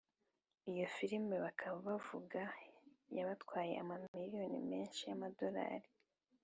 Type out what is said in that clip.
Iyo filime bakaba bavuga yatwaye ama miliyoni menshi yama dolari